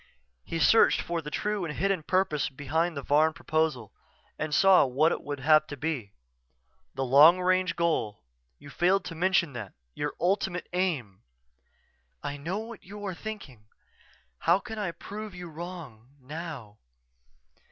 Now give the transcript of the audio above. _" He searched for the true, and hidden, purpose behind the Varn proposal and saw what it would have to be. "The long range goal you failed to mention that ... your ultimate aim." "_I know what you are thinking. How can I prove you wrong now?